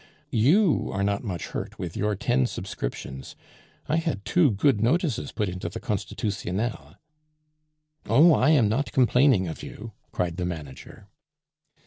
"You are not much hurt with your ten subscriptions. I had two good notices put into the Constitutionnel." "Oh! I am not complaining of you," cried the manager.